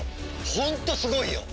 ホントすごいよ！